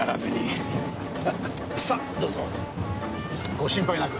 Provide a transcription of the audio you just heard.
ご心配なく。